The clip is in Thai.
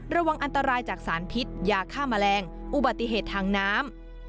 ระวังอันตรายจากสารพิษยาฆ่าแมลงอุบัติเหตุทางน้ำ